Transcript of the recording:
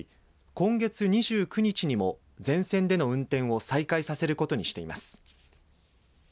今月２９日にも全線での運転を再開させることにしています。